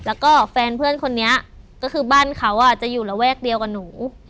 แล้วก็แฟนเพื่อนคนนี้ก็คือบ้านเขาจะอยู่ระแวกเดียวกับหนู